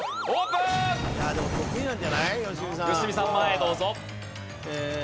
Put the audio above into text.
良純さん前へどうぞ。